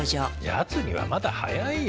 やつにはまだ早いよ。